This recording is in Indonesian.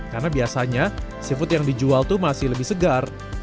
karena biasanya seafood yang dijual tuh masih lebih segar